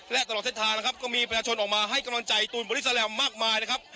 และตลอดเซ็ตทางก็มีประชาชนออกมาให้กำลังใจตูนบริษัทแหลมมากมายนะครับ